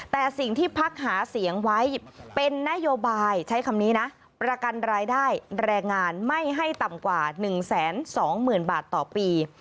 แต่สิ่งที่พักหาเสียงไว้เป็นนโยบายใช้คำนี้นะประกันรายได้แรงงานไม่ให้ต่ำกว่า๑๒๐๐๐บาทต่อปี